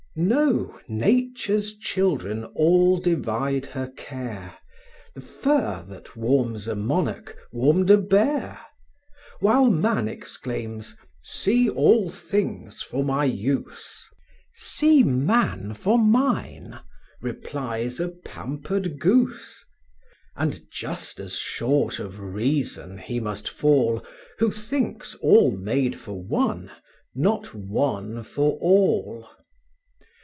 Know, Nature's children all divide her care; The fur that warms a monarch, warmed a bear. While man exclaims, "See all things for my use!" "See man for mine!" replies a pampered goose: And just as short of reason he must fall, Who thinks all made for one, not one for all.